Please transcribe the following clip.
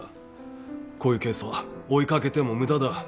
こういうケースは追い掛けても無駄だ。